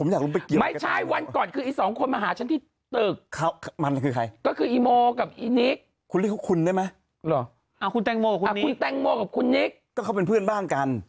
ได้ไหมหรออ่าคุณแตงโมกับคุณนิคอ่าคุณแตงโมกับคุณนิคก็เขาเป็นเพื่อนบ้างกัน